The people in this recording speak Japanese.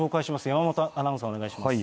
山本アナウンサー、お願いします。